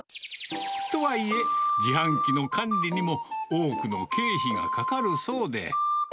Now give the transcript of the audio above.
とはいえ、自販機の管理にも多くの経費がかかるそうで。